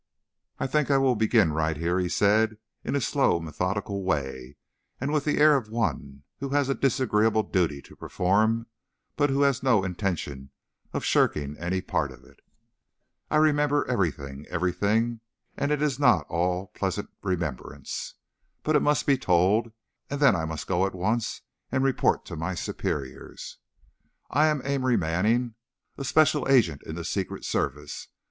"I think I will begin right here," he said, in a slow, methodical way, and with the air of one who has a disagreeable duty to perform, but who has no intention of shirking any part of it. "I remember everything everything, and it is not all pleasant remembrance! But it must be told, and then I must go at once and report to my superiors. "I am Amory Manning, a special agent in the Secret Service.